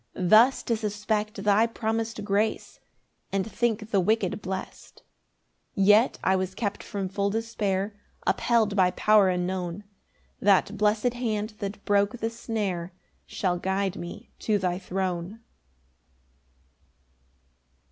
Thus to suspect thy promis'd grace, And think the wicked blest. 10 Yet I was kept from full despair, Upheld by power unknown; That blessed hand that broke the snare Shall guide me to thy throne.